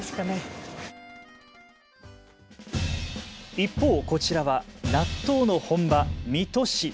一方こちらは納豆の本場、水戸市。